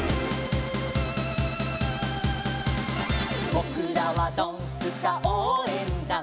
「ぼくらはドンスカおうえんだん」